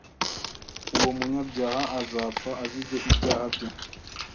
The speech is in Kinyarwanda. uwo munyabyaha azapfa, azize ibyaha bye,